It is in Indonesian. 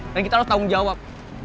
dan kita harus tanggung jawab